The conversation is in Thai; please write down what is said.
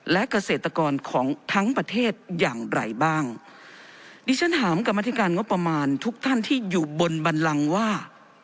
และเกษตรกรของทั้งประเทศอย่างไรบ้างดิฉันถามกรรมธิการงบประมาณทุกท่านที่อยู่บนบันลังว่า